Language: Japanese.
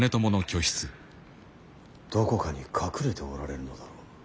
どこかに隠れておられるのだろう。